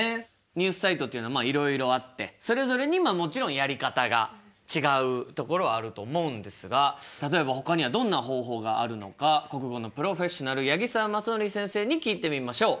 ニュースサイトっていうのはいろいろあってそれぞれにまあもちろんやり方が違うところはあると思うんですが例えば他にはどんな方法があるのか国語のプロフェッショナル八木沢正統先生に聞いてみましょう。